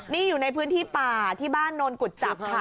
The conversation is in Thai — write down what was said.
นี่อยู่ในพื้นที่ป่าที่บ้านโนนกุจจับค่ะ